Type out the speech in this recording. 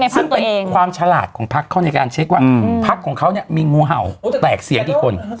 ซึ่งเป็นความฉลาดของพักเขาในการเช็คว่าพักของเขาเนี่ยมีงูเห่าแตกเสียงกี่คน